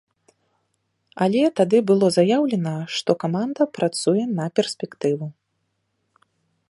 Але тады было заяўлена, што каманда працуе на перспектыву.